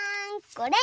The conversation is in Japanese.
これ！